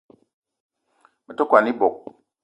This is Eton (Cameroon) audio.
Me te kwan ebog